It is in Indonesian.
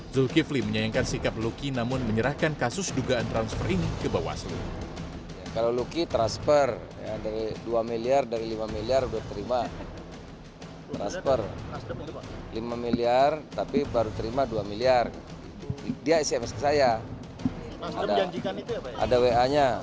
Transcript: zulkifli menyayangkan sikap luki namun menyerahkan kasus dugaan transfer ini ke bawaslu